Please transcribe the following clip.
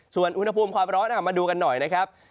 ส่วนอุณหภูมิความร้อนมาดูกันหน่อยนะครับ